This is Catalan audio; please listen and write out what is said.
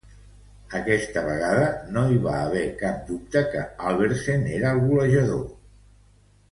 Aquesta vegada no hi va haver cap dubte que Albertsen era el golejador.